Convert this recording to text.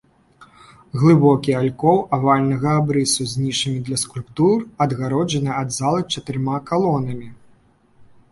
Глыбокі алькоў авальнага абрысу з нішамі для скульптур адгароджаны ад залы чатырма калонамі.